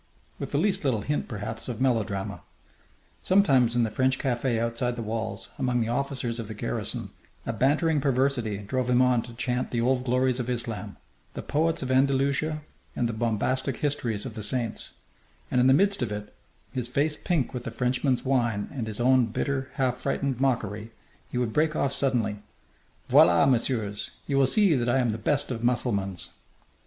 with the least little hint, perhaps, of melodrama. Sometimes in the French café outside the walls, among the officers of the garrison, a bantering perversity drove him on to chant the old glories of Islam, the poets of Andalusia, and the bombastic histories of the saints; and in the midst of it, his face pink with the Frenchmen's wine and his own bitter, half frightened mockery, he would break off suddenly, "Voilà, Messieurs! you will see that I am the best of Mussulmans!"